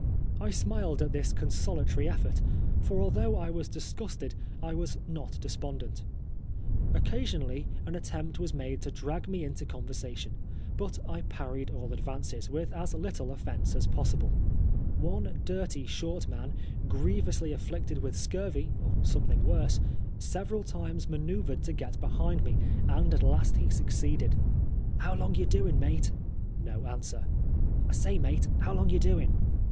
I smiled at this consolatory effort, for although I was disgusted, I was not despondent. Occasionally an attempt was made to drag me into conversation, but I parried all advances with as little offence as possible. One dirty short man, grievously afflicted with scurvy, or something worse, several times manceuvred to get behind me, and at last he succeeded. "How long ye doin', mate?' No answer. "I say, mate, how long ye doin'?"